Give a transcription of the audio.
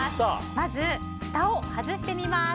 まずふたを外しています。